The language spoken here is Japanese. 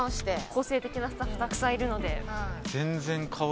個性的なスタッフたくさんいるので。